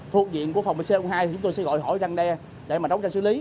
thuộc diện của phòng c hai chúng tôi sẽ gọi hỏi răng đe để đóng trang xử lý